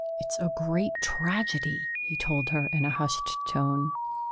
"It's a great tragedy," he told her in a hushed tone.